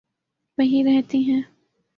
وہیں رہتی ہے۔